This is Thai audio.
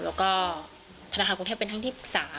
แล้วก็ธนาคารกรุงเทพเป็นทั้งที่ปรึกษา